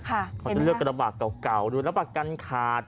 เขาจะเลือกกระบาดเก่าดูแล้วประกันขาด